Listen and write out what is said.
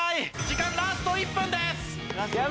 時間ラスト１分。